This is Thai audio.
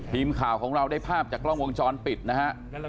ทีมข่าวของเราได้ภาพจากกล้องวงจรปิดนะฮะ